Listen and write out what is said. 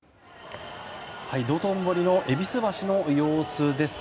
道頓堀の戎橋の様子です。